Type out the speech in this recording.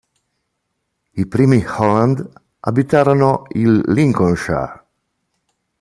I primi Holland abitarono il Lincolnshire.